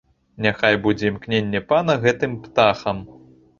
Няхай будзе імкненне пана гэтым птахам!